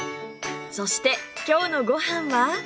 そして今日のご飯は？